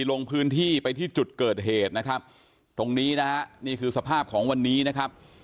ลงพื้นที่ไปที่จุดเกิดเหตุนะครับตรงนี้นะฮะนี่คือสภาพของวันนี้นะครับ